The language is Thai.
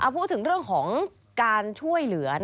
พูดถึงเรื่องของการช่วยเหลือ